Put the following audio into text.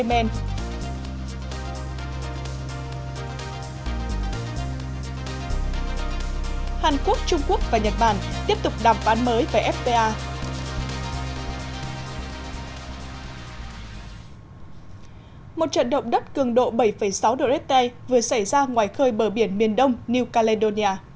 một trận động đất cường độ bảy sáu độ rete vừa xảy ra ngoài khơi bờ biển miền đông new caledonia